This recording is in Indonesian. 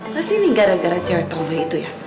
pasti nih gara gara cewek tomboy itu ya